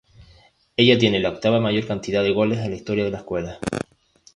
Ella tiene la octava mayor cantidad de goles en la historia de la escuela.